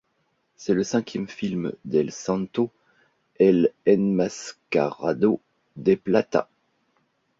C'est le cinquième film d'El Santo, el enmascarado de plata.